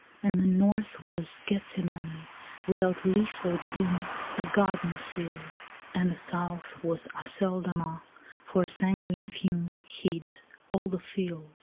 And the north was Gethsemane, without leaf or bloom, A garden sealed; And the south was Aceldama, for a sanguine fume Hid all the field.